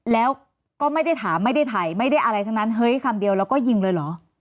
แล้วก็ไม่ได้ถามไม่ได้ถ่ายไม่ได้อะไรทั้งนั้นเฮ้ยคำเดียวแล้วก็ยิงเลยเหรอ